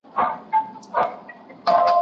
موږ باید خپله ژبه او تاریخ وساتو.